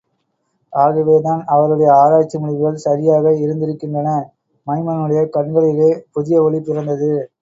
ஆகவேதான் அவருடைய ஆராய்ச்சி முடிவுகள் சரியாக இருந்திருக்கின்றன. மைமனுடைய கண்களிலே புதிய ஒளி பிறந்தது.